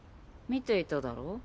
見ていただろ？